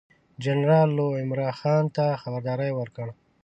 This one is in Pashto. جنرال لو عمرا خان ته خبرداری ورکړ.